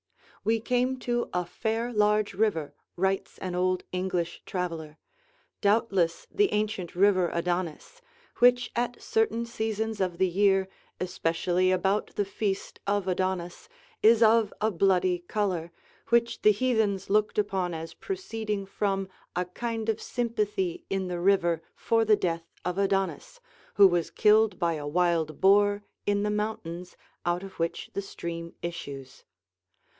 "We came to a fair large river," writes an old English traveler, "doubtless the ancient river Adonis, which at certain seasons of the year, especially about the feast of Adonis, is of a bloody color, which the heathens looked upon as proceeding from a kind of sympathy in the river for the death of Adonis, who was killed by a wild boar in the mountains out of which the stream issues.